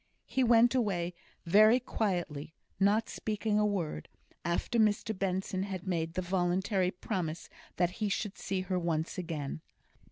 he went away very quietly; not speaking a word, after Mr Benson had made the voluntary promise that he should see her once again.